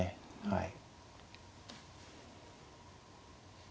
はい。